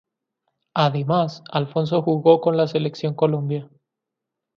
Además, Alfonso jugó con la Selección Colombia.